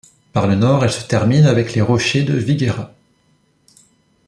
Par le nord elle se termine avec les rochers de Viguera.